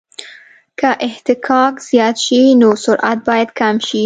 که اصطکاک زیات شي نو سرعت باید کم شي